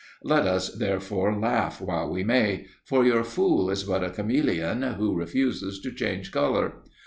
Let us therefore laugh while we may, for your fool is but a chameleon who refuses to change colour.